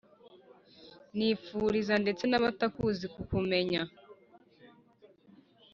nifuriza ndetse n'abatakuzi kukumenya ;